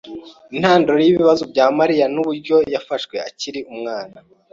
Intandaro yibibazo bya Mariya nuburyo yafashwe akiri umwana.